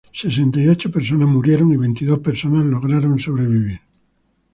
Sesenta y ocho personas murieron y veintidós personas lograron sobrevivir.